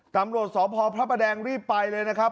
ตำรวจสพพระประแดงรีบไปเลยนะครับ